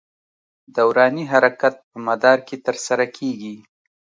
دوراني حرکت په مدار کې تر سره کېږي.